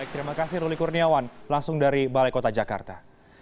terima kasih ruli kurniawan langsung dari balai kota jakarta